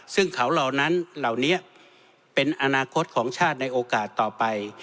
ซึ่งเขาเหล่านั้นเหล่านี้เป็นอนาคตของชาติในโอกาสต่อไป